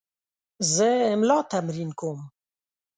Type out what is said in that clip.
زه املا تمرین کوم.